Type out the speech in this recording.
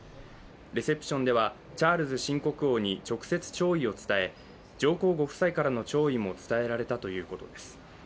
レセプションでは、チャールズ新国王に直接弔意を伝え上皇ご夫妻からの弔意も伝えられたということです。